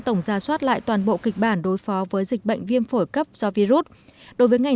tổng ra soát lại toàn bộ kịch bản đối phó với dịch bệnh viêm phổi cấp do virus đối với ngành